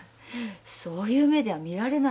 そういう目では見られないよ。